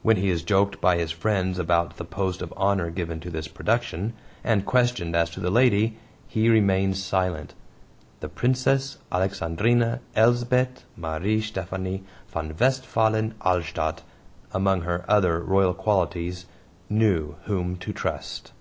When he is joked by his friends about the post of honor given to this production, and questioned as to the lady, he remains silent. The Princess Alexandrine Elsbeth Marie Stephanie von Westphalen Alstadt, among her other royal qualities, knew whom to trust.